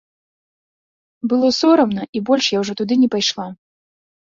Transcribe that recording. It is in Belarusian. Было сорамна, і больш я ўжо туды не пайшла.